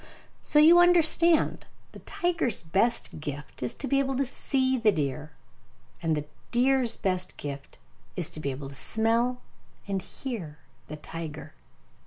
So, you understand, the tiger's best gift is to be able to see the deer; and the deer's best gift is to be able to smell and hear the tiger.